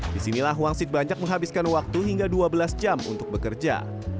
disinilah wangsit banyak menghabiskan waktu hingga dua belas jam untuk bekerja